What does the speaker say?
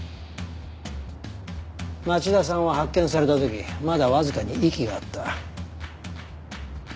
町田さんは発見された時まだわずかに息があった。